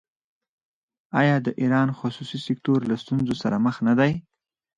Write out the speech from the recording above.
آیا د ایران خصوصي سکتور له ستونزو سره مخ نه دی؟